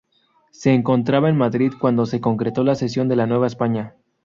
Se encontraba en Madrid cuando se concretó la Secesión de la Nueva España.